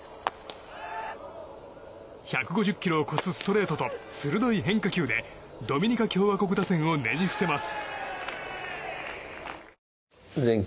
１５０キロを超すストレートと鋭い変化球でドミニカ共和国打線をねじ伏せます。